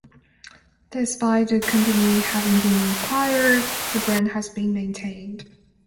Despite the company having been acquired, the brand has been maintained.